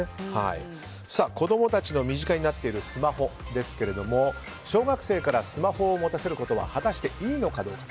子供たちの身近になっているスマホですが小学生からスマホを持たせることは果たしていいのかどうか。